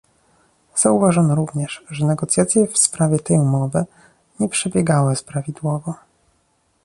Zauważono również, że negocjacje w sprawie tej umowy nie przebiegały prawidłowo